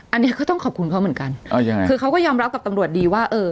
อันนี้ก็ต้องขอบคุณเขาเหมือนกันอ๋อยังไงคือเขาก็ยอมรับกับตำรวจดีว่าเออ